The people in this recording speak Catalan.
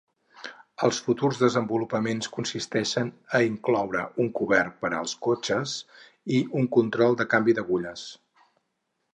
Els futurs desenvolupaments consisteixen a incloure un cobert per als cotxes i un control de canvi d'agulles.